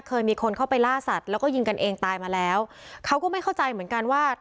เคยมีคนเข้าไปล่าสัตว์แล้วก็ยิงกันเองตายมาแล้วเขาก็ไม่เข้าใจเหมือนกันว่า